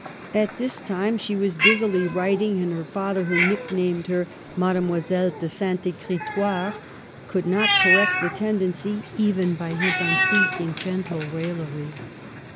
, All this time she was busily writing, and her father, who nicknamed her Mademoiselle de Ste. Ecritoire, could not correct the tendency, even by his unceasing raillery.